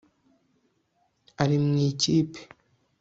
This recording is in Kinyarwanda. Ari mu ikipe